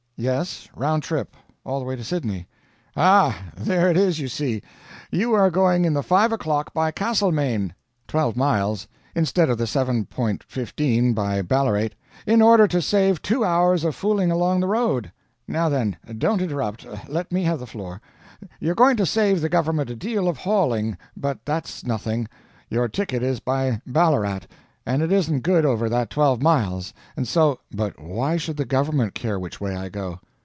"Yes round trip; all the way to Sydney." "Ah, there it is, you see! You are going in the 5 o'clock by Castlemaine twelve miles instead of the 7.15 by Ballarat in order to save two hours of fooling along the road. Now then, don't interrupt let me have the floor. You're going to save the government a deal of hauling, but that's nothing; your ticket is by Ballarat, and it isn't good over that twelve miles, and so " "But why should the government care which way I go?"